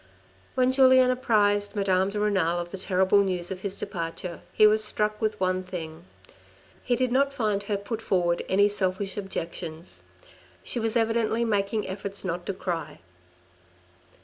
When Julien apprised Madame de Renal of the terrible news of his departure, he was struck with one thing. He did not find her put forward any selfish objections. She was evidently making efforts not to cry.